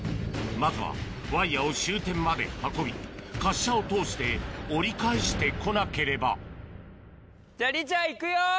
まずはワイヤを終点まで運び滑車を通して折り返してこなければじゃあリチャ行くよ！